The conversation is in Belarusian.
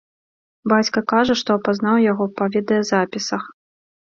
Бацька кажа, што апазнаў яго па відэазапісах.